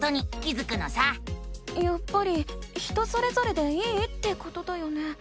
やっぱり人それぞれでいいってことだよね？